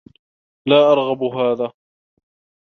لا أرغب هذا.